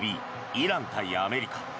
イラン対アメリカ。